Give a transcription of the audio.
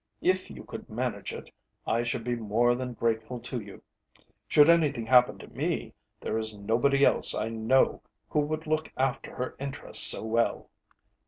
If you could manage it, I should be more than grateful to you. Should anything happen to me, there is nobody else I know who would look after her interests so well."